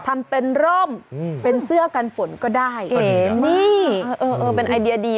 ทำเป็นร่มเป็นเสื้อกันฝนก็ได้เอมี่เออเป็นไอเดียดี